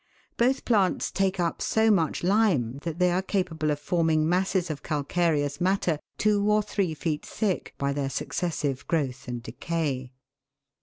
Both plants take up so much lime, that they are capable of forming masses of calcareous matter two or three feet thick by their successive growth and decay.